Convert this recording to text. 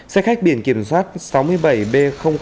xe khách biển kiểm soát sáu mươi bảy b chín mươi sáu